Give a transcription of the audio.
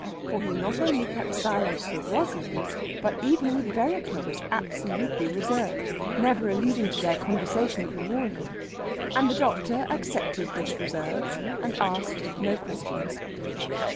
For he not only kept silence with Rosalind, but even with Vereker was absolutely reserved, never alluding to their conversation of the morning. And the doctor accepted this reserve, and asked no questions.